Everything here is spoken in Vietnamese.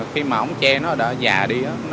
khi mà ống tre nó đã già đi